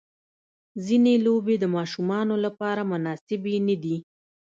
ځینې لوبې د ماشومانو لپاره مناسبې نه دي.